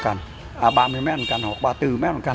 anh sưởng nói là sưởng